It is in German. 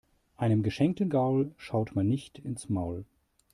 Einem geschenkten Gaul schaut man nicht ins Maul.